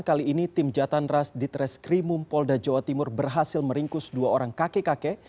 kali ini tim jatandras di treskrimumpolda jawa timur berhasil meringkus dua orang kakek kakek